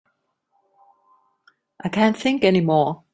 I can't think any more.